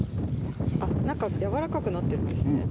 中やわらかくなってるんですね。